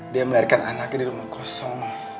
dia melahirkan anaknya di rumah kosong